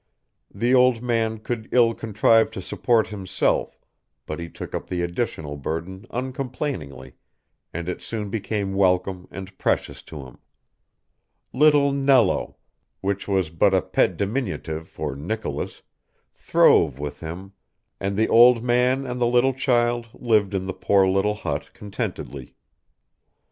The old man could ill contrive to support himself, but he took up the additional burden uncomplainingly, and it soon became welcome and precious to him. Little Nello which was but a pet diminutive for Nicolas throve with him, and the old man and the little child lived in the poor little hut contentedly.